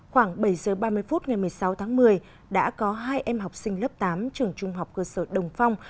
khoảng bảy giờ ba mươi phút ngày một mươi sáu tháng một mươi đã có hai em học sinh lớp tám trường trung học cơ sở đồng phong